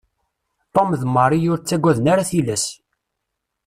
Tom d Mary ur ttaggaden ara tillas.